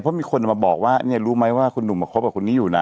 เพราะมีคนมาบอกว่าเนี่ยรู้ไหมว่าคุณหนุ่มมาคบกับคนนี้อยู่นะ